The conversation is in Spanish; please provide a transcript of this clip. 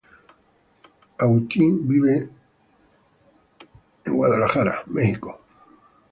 Woods vive en Austin, Texas.